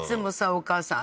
お母さん